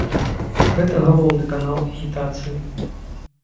Гэта галоўны канал агітацыі.